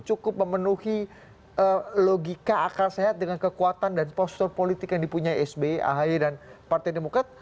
cukup memenuhi logika akal sehat dengan kekuatan dan postur politik yang dipunyai sby ahy dan partai demokrat